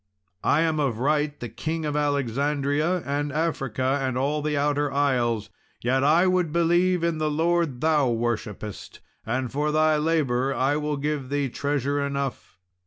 I am of right the king of Alexandria, and Africa, and all the outer isles, yet I would believe in the Lord thou worshippest, and for thy labour I will give thee treasure enough.